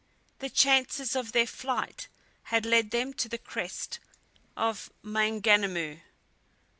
The chances of their flight had led them to the crest of Maunganamu.